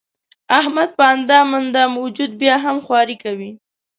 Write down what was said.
احمد په اندام اندام وجود بیا هم خواري کوي.